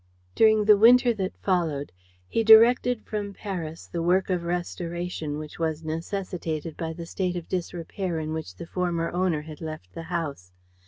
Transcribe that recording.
During the winter that followed, he directed from Paris the work of restoration which was necessitated by the state of disrepair in which the former owner had left the house.